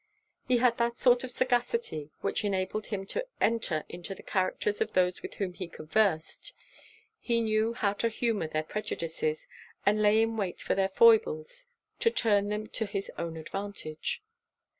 He had that sort of sagacity which enabled him to enter into the characters of those with whom he conversed: he knew how to humour their prejudices, and lay in wait for their foibles to turn them to his own advantage.